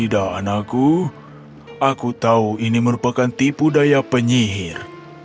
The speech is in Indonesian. tidak anakku aku tahu ini merupakan tipu daya penyihir